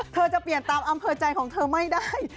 จะเปลี่ยนตามอำเภอใจของเธอไม่ได้